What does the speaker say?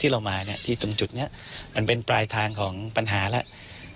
เรามาที่ตรงจุดนี้มันเป็นปลายทางของปัญหาแล้ว